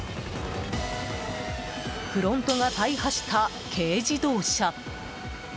フロントが大破した軽自動車。